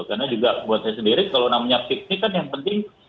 karena juga buat saya sendiri kalau namanya piknik kan yang penting